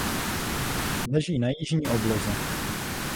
Leží na jižní obloze.